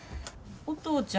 お父ちゃん！